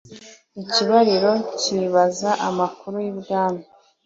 ikibariro nkibaza amakuru y’i bwami,